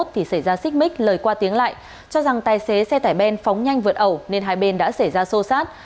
thì xảy ra xích mích lời qua tiếng lại cho rằng tài xế xe tải ben phóng nhanh vượt ẩu nên hai bên đã xảy ra xô xát